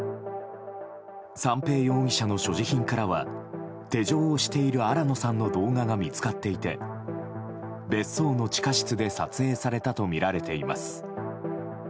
三瓶容疑者の所持品からは手錠をしている新野さんの動画が見つかっていて別荘の地下室で撮影されたとみられています。